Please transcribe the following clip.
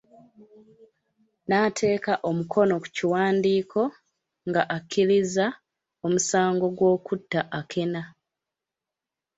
N'ateeka omukono ku kiwandiiko ng'akkiriza omusango gw'okutta Akena.